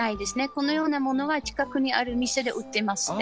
このようなものは近くにある店で売ってますね。